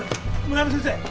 村山先生！